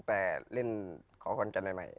แต่เล่นของคนกันใหม่